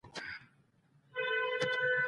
ټول ګاډي تېر شوي دي.